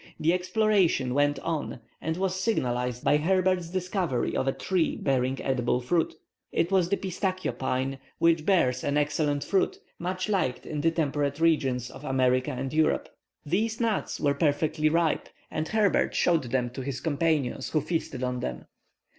The exploration went on and was signalized by Herbert's discovery of a tree bearing edible fruit. It was the pistachio pine, which bears an excellent nut, much liked in the temperate regions of America and Europe. These nuts were perfectly ripe, and Herbert showed them to his companions, who feasted on them.